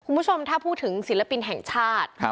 คุณผู้ชมถ้าพูดถึงศิลปินแห่งชาติ